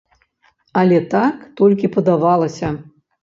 Але так толькі падавалася.